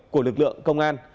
của lực lượng công an